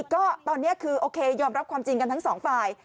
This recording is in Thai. ก็ตอนนี้คือโอเคยอมรับความจริงกันทั้งสองฝ่าย